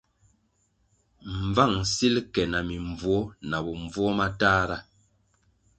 Mbvang sil ke na mimbvuo na bombvuo matahra.